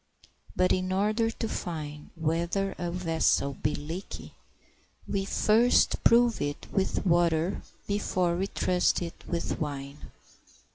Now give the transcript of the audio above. But in order to find whether a vessel be leaky we first prove it with water before we trust it with wine.